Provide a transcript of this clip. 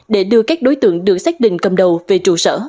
để đưa các đối tượng được xác định cầm đầu về trụ sở